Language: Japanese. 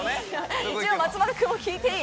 一応松丸君も聞いていい？